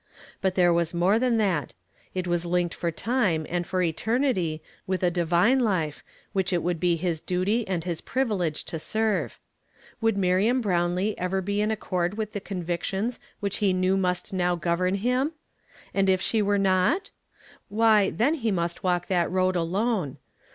But there was more than that; it was linked for time and for eternity with a divine life which it would be his duty and his privilege to serve. Would Miriam Brownlee ever be in accord with the convictions which he knew must now govern him? And if she were not? Why, then he must walk that road alone.